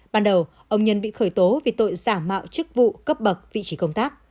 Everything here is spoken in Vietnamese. ban đầu ông nhân bị khởi tố vì tội giả mạo chức vụ cấp bậc vị trí công tác